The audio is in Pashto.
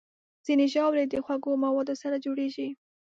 ځینې ژاولې د خوږو موادو سره جوړېږي.